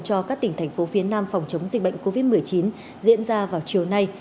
cho các tỉnh thành phố phía nam phòng chống dịch bệnh covid một mươi chín diễn ra vào chiều nay